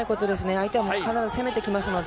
相手はもう必ず攻めてきますので。